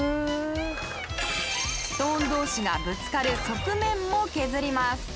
ストーン同士がぶつかる側面も削ります。